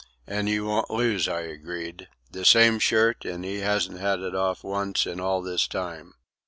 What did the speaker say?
"And you won't lose," I agreed. "The same shirt, and he hasn't had it off once in all this time."